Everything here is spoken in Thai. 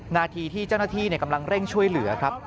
นาทีที่เจ้าหน้าที่กำลังเร่งช่วยเหลือครับ